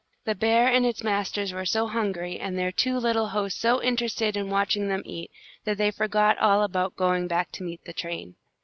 The bear and its masters were so hungry, and their two little hosts so interested in watching them eat, that they forgot all about going back to meet the train.